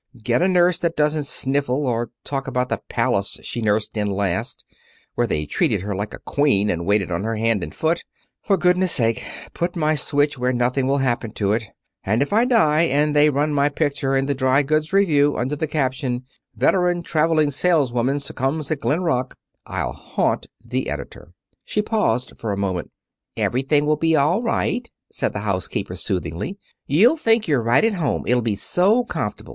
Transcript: Get a nurse that doesn't sniffle, or talk about the palace she nursed in last, where they treated her like a queen and waited on her hand and foot. For goodness' sake, put my switch where nothing will happen to it, and if I die and they run my picture in the Dry Goods Review under the caption, 'Veteran Traveling Saleswoman Succumbs at Glen Rock,' I'll haunt the editor." She paused a moment. "Everything will be all right," said the housekeeper, soothingly. "You'll think you're right at home, it'll be so comfortable.